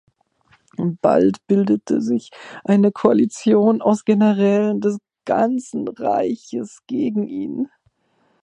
Bald bildete sich eine Koalition aus Generälen des ganzen Reiches gegen ihn.